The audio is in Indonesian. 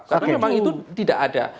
karena memang itu tidak ada